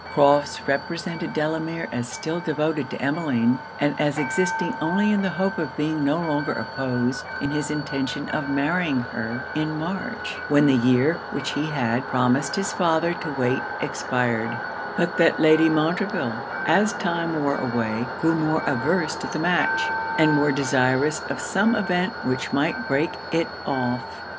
Crofts represented Delamere as still devoted to Emmeline; and as existing only in the hope of being no longer opposed in his intention of marrying her in March, when the year which he had promised his father to wait expired; but that Lady Montreville, as time wore away, grew more averse to the match, and more desirous of some event which might break it off.